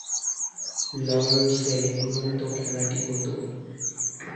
লর্ডসে নিয়মিতভাবে খেলাটি হতো।